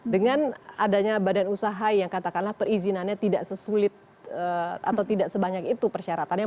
dengan adanya badan usaha yang katakanlah perizinannya tidak sesulit atau tidak sebanyak itu persyaratannya